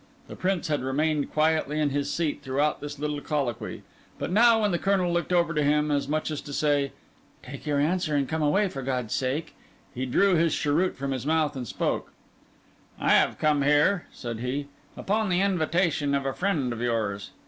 The Prince had remained quietly in his seat throughout this little colloquy; but now, when the Colonel looked over to him, as much as to say, "Take your answer and come away, for God's sake!" he drew his cheroot from his mouth, and spoke— "I have come here," said he, "upon the invitation of a friend of yours.